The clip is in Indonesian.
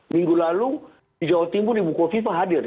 minggu lalu di jawa timur ibu kofifa hadir